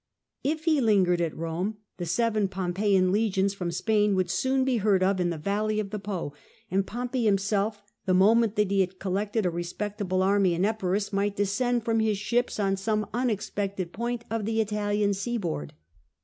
If he lingered at Rome the scwen Pompeian h^gions from Spain would soon be heard of in the valley of the Po, and Pompey himself, the moment that he had collected a respectable army in Epirus, might descend from his ships on some um^xpected point of the Italian seaboitird.